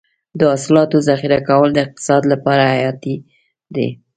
د حاصلاتو ذخیره کول د اقتصاد لپاره حیاتي دي.